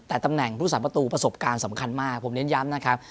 แต่ตำแหน่งผู้สาประตูประสบการณ์สำคัญมากผมเน้นย้ำนะครับ